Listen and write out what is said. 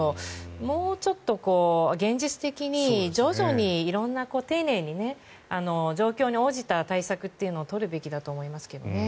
もうちょっと現実的に徐々に色んな丁寧に状況に応じた対策というのを取るべきだと思いますけどね。